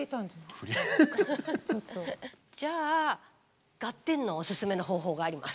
じゃあ「ガッテン！」のおすすめの方法があります。